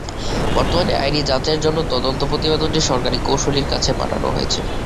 বর্তমানে আইনি যাচাইয়ের জন্য তদন্ত প্রতিবেদনটি সরকারি কৌঁসুলির কাছে পাঠানো হয়েছে।